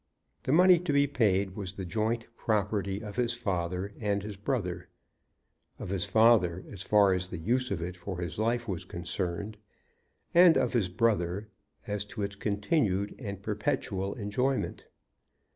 The money to be paid was the joint property of his father and his brother, of his father, as far as the use of it for his life was concerned, and of his brother, as to its continued and perpetual enjoyment.